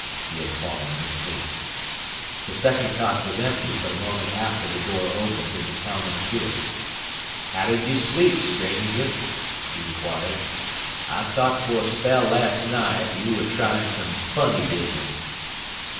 He had fallen asleep. The second cot was empty, but a moment after the door opened and the cowman appeared. "How did you sleep, stranger?" he inquired. "I thought for a spell last night you were trying some funny business."